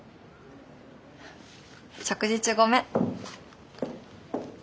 食事中ごめん。